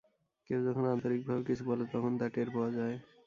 কেউ যখন আন্তরিকভাবে কিছু বলে তখন তা টের পাওয়া যায়।